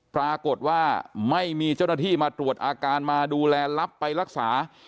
ปรากฏว่าไม่มีเจ้าหน้าที่มาตรวจอาการมาดูแลรับไปรักษา